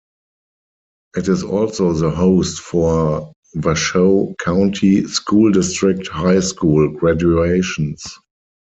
It is also the host for Washoe County School District high school graduations.